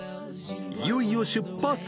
いよいよ出発。